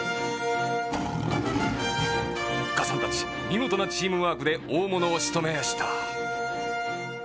おっかさんたちみごとなチームワークでおおものをしとめやした。